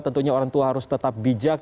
tentunya orang tua harus tetap bijak